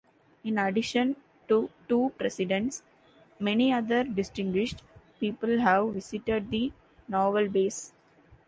In addition to two presidents, many other distinguished people have visited the Naval Base.